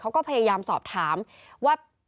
เขาก็พยายามสอบถามว่า